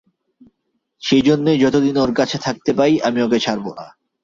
সেইজন্যই যতদিন ওঁর কাছে থাকতে পাই, আমি ওঁকে ছাড়ব না।